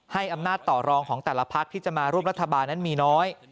อำนาจต่อรองของแต่ละพักที่จะมาร่วมรัฐบาลนั้นมีน้อย